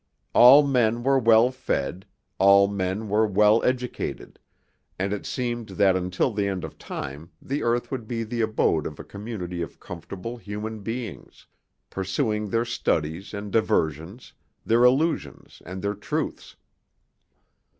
All men were well fed, all men were well educated, and it seemed that until the end of time the earth would be the abode of a community of comfortable human beings, pursuing their studies and diversions, their illusions and their truths.